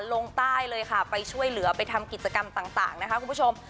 ลงใต้เลยค่ะไปช่วยเหลือไปทำกิจกรรมต่างนะคะคุณผู้ชม